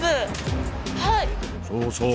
そうそう。